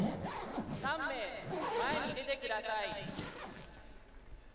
３名、前に出てください。